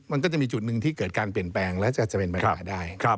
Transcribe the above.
มันก็จะมีจุดหนึ่งที่จะมีอันที่จะเป็นปัญหาได้